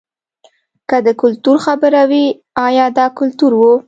که د کلتور خبره وي ایا دا کلتور و.